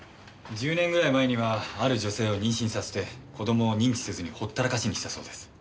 １０年ぐらい前にはある女性を妊娠させて子供を認知せずにほったらかしにしたそうです。